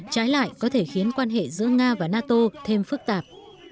trái lại có thể khiến quan hệ giữa nga và nato thêm phức tạp